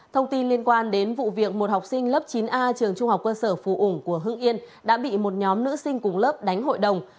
thông tin liên quan đến vụ việc một học sinh lớp chín a trường trung học cơ sở phù ủng của hương yên đã bị một nhóm nữ sinh cùng lớp đánh hội đồng